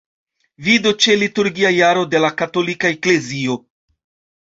Vidu ĉe Liturgia jaro de la Katolika Eklezio.